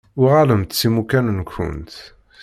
Uɣalemt s imukan-nkent.